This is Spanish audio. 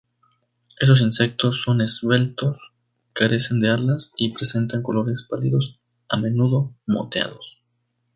Estos insectos son esbeltos, carecen de alas, y presentan colores pálidos, a menudo moteados.